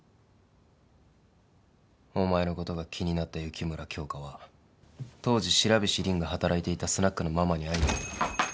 お前のことが気になった雪村京花は当時白菱凜が働いていたスナックのママに会いに行った。